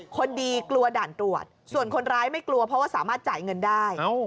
คนดีกลัวด่านตรวจส่วนคนร้ายไม่กลัวเพราะว่าสามารถจ่ายเงินได้